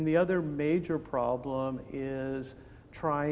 bahwa mereka melakukannya